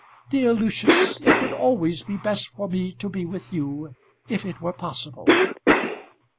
"Dear Lucius, it would always be best for me to be with you, if it were possible."